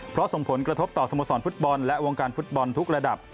เพราะส่งผลกระทบต่อสโมสรฟุตบอลและวงการฟุตบอลทุกระดับ